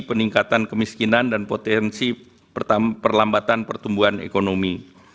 peningkatan kemiskinan dan potensi perlambatan pertumbuhan ekonomi